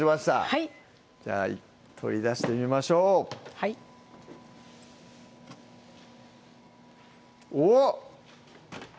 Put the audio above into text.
はい取り出してみましょうおっ！